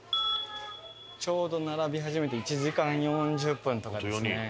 ちょうど並び始めて１時間４０分とかですね。